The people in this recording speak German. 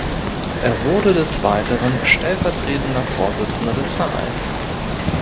Er wurde des Weiteren stellvertretender Vorsitzender des Vereins.